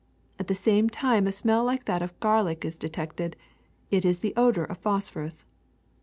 At the same time a smell like that of garlic is de tected; it is the odor of phosphorus.